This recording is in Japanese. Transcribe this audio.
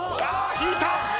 引いた！